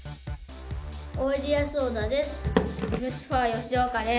おいでやす小田です。